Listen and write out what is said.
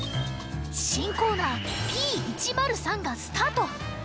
しんコーナー「Ｐ１０３」がスタート。